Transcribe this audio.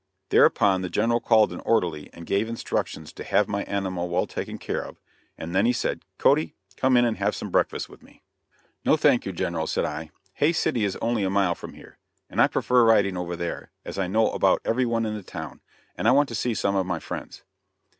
Thereupon the General called an orderly and gave instructions to have my animal well taken care of, and then he said, "Cody, come in and have some breakfast with me." "No, thank you, General," said I, "Hays City is only a mile from here, and I prefer riding over there, as I know about every one in the town, and want to see some of my friends."